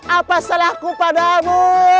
apa salahku padamu